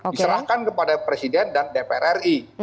diserahkan kepada presiden dan dpr ri